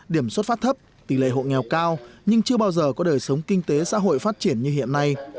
điểm xuất phát thấp tỷ lệ hộ nghèo cao nhưng chưa bao giờ có đời sống kinh tế xã hội phát triển như hiện nay